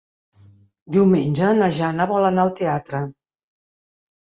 Diumenge na Jana vol anar al teatre.